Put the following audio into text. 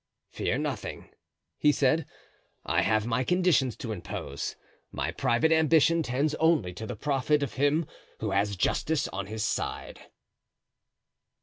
"Fear nothing," he said; "I have my conditions to impose. My private ambition tends only to the profit of him who has justice on his side."